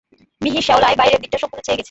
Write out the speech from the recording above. মিহি শ্যাওলায় বাইরের দিকটা সম্পূর্ণ ছেয়ে গেছে।